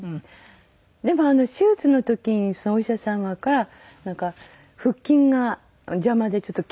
でも手術の時にそのお医者様から腹筋が邪魔でちょっと切りにくかったとは。